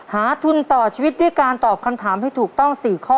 ทุนต่อชีวิตด้วยการตอบคำถามให้ถูกต้อง๔ข้อ